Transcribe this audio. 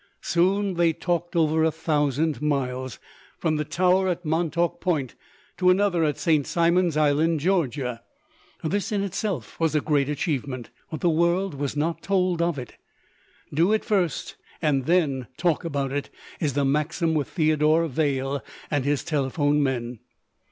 Soon they talked over a thousand miles, from the tower at Montauk Point to another at St. Simon's Island, Georgia. This in itself was a great achievement, but the world was not told of it. "Do it first and then talk about it" is the maxim with Theodore Vail and his telephone men.